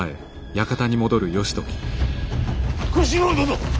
小四郎殿！